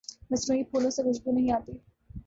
مصنوعی پھولوں سے خوشبو نہیں آتی